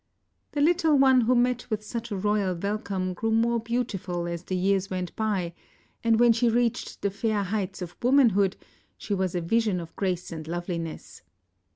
The little one who met with such a royal welcome grew more beautiful as the years went by. and when she reached the fair heights of womanhood she was a ^ ision of grace and loveliness.